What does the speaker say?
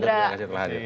terima kasih mas indra